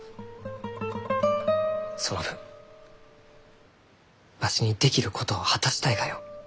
その分わしにできることを果たしたいがよ。